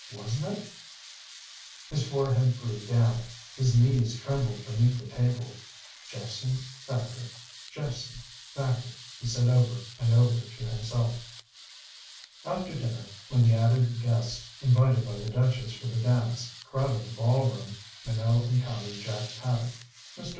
Wasn't it His forehead grew damp. His knees trembled beneath the table. "Jephson Thacker, Jephson Thacker," he said over and over to himself. After dinner, when the added guests invited by the duchess for the dance crowded the ballroom, Minot encountered Jack Paddock. Mr.